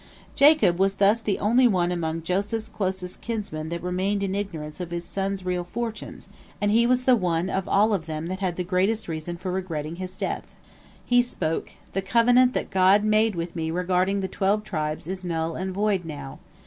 Jacob was thus the only one among Joseph's closest kinsmen that remained in ignorance of his son's real fortunes, and he was the one of them all that had the greatest reason for regretting his death. He spoke: "The covenant that God made with me regarding the twelve tribes is null and void now.